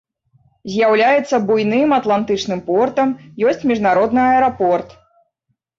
З'яўляецца буйным атлантычным портам, ёсць міжнародны аэрапорт.